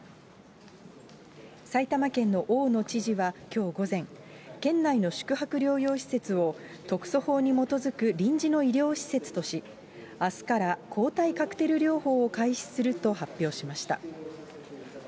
埼玉県の大野知事はきょう午前、県内の宿泊療養施設を、特措法に基づく臨時の医療施設とし、あすから抗体カクテル療法を開始すると発表しました。